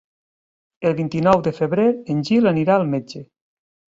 El vint-i-nou de febrer en Gil anirà al metge.